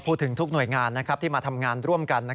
ทุกหน่วยงานที่มาทำงานร่วมกัน